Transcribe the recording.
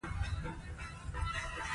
پنېر د سلامتیا یو مهم جز دی.